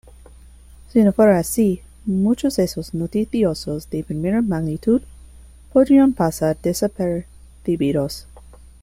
Si no fuera así, muchos hechos noticiosos de primera magnitud podrían pasar desapercibidos.